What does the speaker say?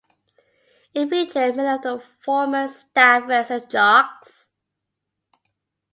It featured many of the former staffers and jocks.